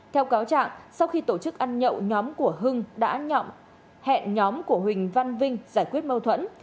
theo cáo trạng sau khi tổ chức ăn nhậu nhóm của hưng đã hẹn nhóm của huỳnh văn vinh giải quyết mâu thuẫn